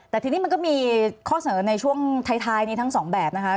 แต่ทีนี้มันก็มีข้อเสนอในช่วงท้ายนี้ทั้งสองแบบนะคะ